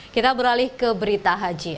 kita beralih ke berita haji